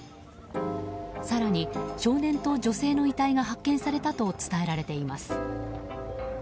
更に、少年と女性の遺体が発見されたと伝えられています。